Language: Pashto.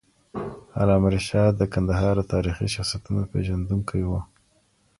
علامه رشاد د کندهار د تاریخي شخصیتونو پېژندونکی وو.